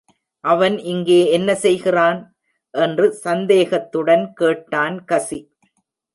‘அவன் இங்கே என்ன செய்கிறான்?’ என்று சந்தேகத்துடன் கேட்டான் கஸி.